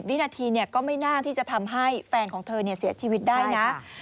วินาทีก็ไม่น่าที่จะทำให้แฟนของเธอเสียชีวิตได้นะ